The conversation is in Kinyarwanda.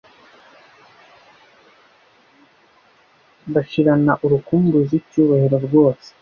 bashirana urukumbuzi cyubahiro rwose